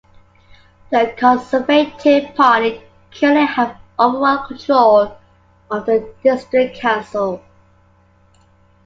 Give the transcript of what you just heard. The Conservative Party currently have overall control of the district council.